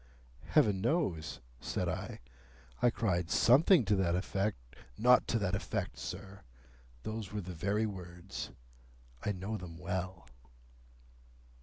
"Heaven knows," said I. "I cried something to that effect—" "Not to that effect, sir. Those were the very words. I know them well."